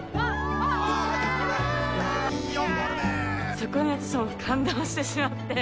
そこに私ほんと感動してしまって。